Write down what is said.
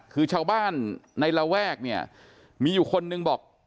คือชาวบ้านในระแวกเนี่ยมีอยู่คนนึงบอก